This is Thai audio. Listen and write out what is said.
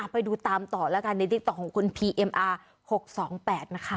ไปดูตามต่อแล้วกันในติ๊กต๊อของคุณพีเอ็มอาร์๖๒๘นะคะ